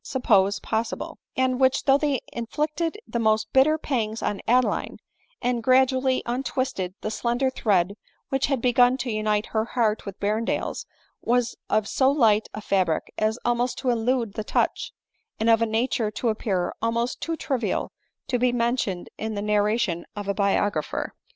221 suppose possible ; and which, though they inflicted the most bitter pangs on Adeline, and gradually untwisted the slender thread which had begun to unite her heart with Berrendale's, was of so light a fabric as almost to elude the touch, and of a nature to appear almost too trivial to be mentioned in the narration of a biographer.